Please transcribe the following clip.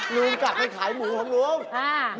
ลูกกลับไปขายหมูครับรูป